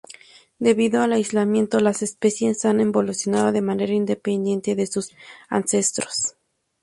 Debido al aislamiento, las especies han evolucionado de manera independiente de sus ancestros.